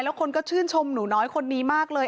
แล้วคนก็ชื่นชมหนูน้อยคนนี้มากเลย